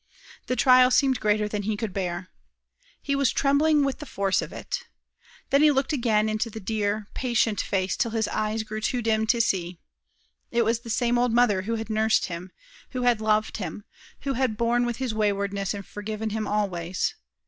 The trial seemed greater than he could bear. He was trembling with the force of it. Then he looked again into the dear, patient face, till his eyes grew too dim to see. It was the same old mother who had nursed him, who had loved him, who had borne with his waywardness and forgiven him always.